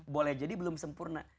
boleh jadi belum sempurna